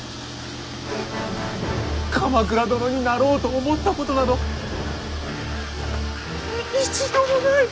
鎌倉殿になろうと思ったことなど一度もない！